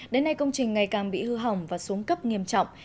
đến nay công trình ngày càng bị hư hỏng và xuống cấp nghiêm trọng